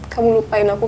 kamu lupain aku